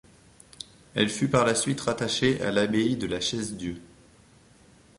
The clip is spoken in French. Elle fut par la suite rattachée à l’abbaye de la Chaise-Dieu.